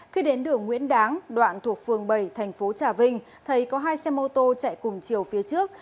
khi đến đường nguyễn đáng đoạn thuộc phường bảy thành phố trà vinh thấy có hai xe mô tô chạy cùng chiều phía trước